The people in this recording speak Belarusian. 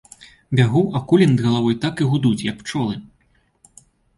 Бягу, а кулі над галавою так і гудуць, як пчолы.